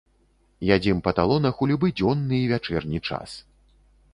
Ядзім па талонах у любы дзённы і вячэрні час.